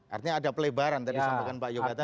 artinya ada pelebaran tadi sampaikan pak yoga tadi